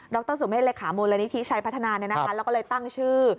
รสุเมฆเลขามูลนิธิชัยพัฒนาแล้วก็เลยตั้งชื่อ